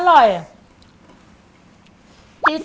แต่เวลาแค่นี้คะ